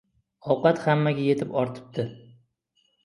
Ovqat hammaga yetib ortibdi.